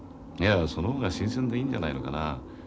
いやその方が新鮮でいいんじゃないのかな。